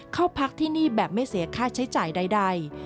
เข้าพักที่นี่แบบไม่เสียค่าใช้จ่ายใด